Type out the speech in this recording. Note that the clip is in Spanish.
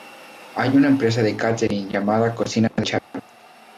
Hay una empresa de cáterin llamada Cocina de Charo.